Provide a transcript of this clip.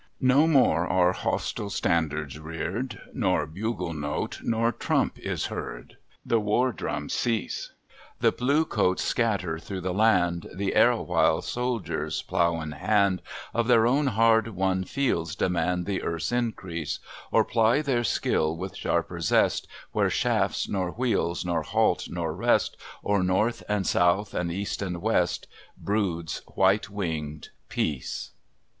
"No more are hostile standards reared, Nor bugle note nor trump is heard The war drums cease: The blue coats scatter through the land; The erewhile soldiers, plough in hand, Of their own hard won fields demand The earth's increase; Or ply their skill with sharper zest, Where shafts nor wheels nor halt nor rest; O'er North and South and East and West Broods White winged Peace."